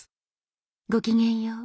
ごきげんよう。